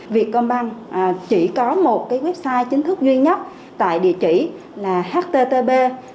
việt công banh chỉ có một website chính thức duy nhất tại địa chỉ là http